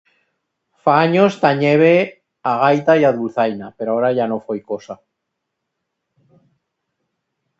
Fa anyos tanyebe a gaita y a dulzaina, pero aora ya no foi cosa